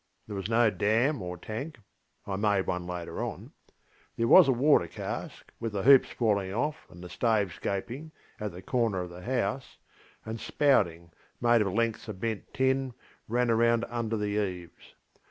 There was no dam or tank (I made one later on); there was a water cask, with the hoops falling off and the staves gaping, at the corner of the house, and spouting, made of lengths of bent tin, ran round under the eaves.